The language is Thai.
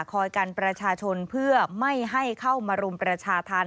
กันประชาชนเพื่อไม่ให้เข้ามารุมประชาธรรม